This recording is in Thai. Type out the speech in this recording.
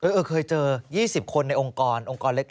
เออเคยเจอ๒๐คนในองค์กรองค์กรเล็ก